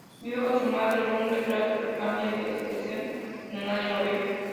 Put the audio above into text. Vive con su madre, un retrato que cambia de expresión cuando nadie lo ve.